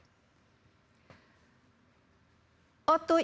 melindungi tubuh dari penyakit